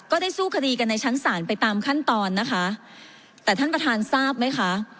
ได้สู้คดีกันในชั้นศาลไปตามขั้นตอนนะคะแต่ท่านประธานทราบไหมคะ